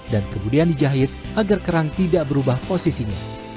dan kemudian dijahit agar kerang tidak berubah posisinya